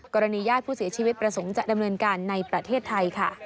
ญาติผู้เสียชีวิตประสงค์จะดำเนินการในประเทศไทยค่ะ